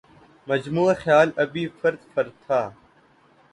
مجموعہ خیال ابھی فرد فرد تھا